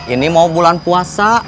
ini mau bulan puasa